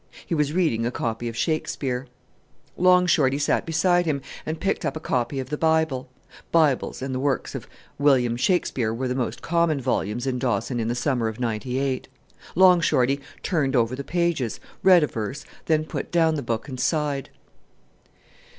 He was reading a copy of Shakespeare. Long Shorty sat beside him, and picked up a copy of the Bible. Bibles and the works of William Shakespeare were the most common volumes in Dawson in the summer of '98. Long Shorty turned over the pages, read a verse, then put down the book, and sighed.